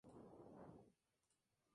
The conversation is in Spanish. Su forma de expresión es la ordenanza.